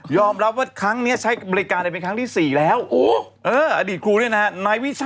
ยอมรับว่าครั้งนี้ใช้บริการได้เป็นครั้งที่๔แล้ว